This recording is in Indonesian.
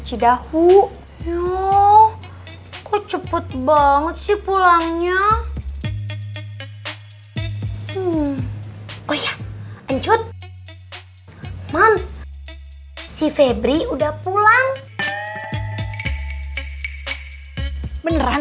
jauh jauh cepet banget sih pulangnya oh ya ancet mams si febri udah pulang beneran